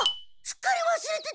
すっかりわすれてた。